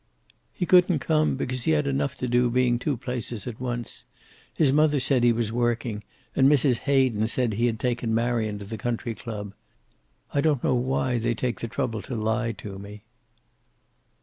"He couldn't come because he had enough to do being two places at once. His mother said he was working, and Mrs. Hayden said he had taken Marion to the Country Club. I don't know why they take the trouble to lie to me."